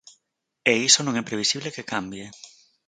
E iso non é previsible que cambie.